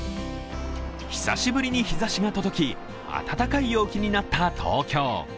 久しぶりに日ざしが届き、温かい陽気になった東京。